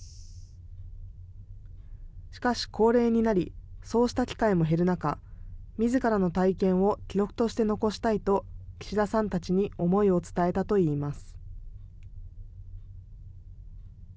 しかし、高齢になり、そうした機会も減る中、みずからの体験を記録として残したいと、岸田さんたちに思いを伝えたといいます。